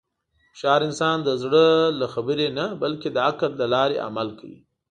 هوښیار انسان د زړه له خبرې نه، بلکې د عقل له لارې عمل کوي.